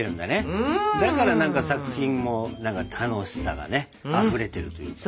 だから何か作品も楽しさがねあふれてるっていうか。